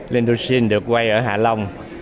lenduxin được quay ở hạ long